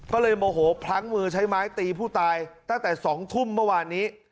ก็เลยโมโหพลั้งมือใช้ไม้ตีผู้ตายตั้งแต่๒ทุ่มเมื่อวานนี้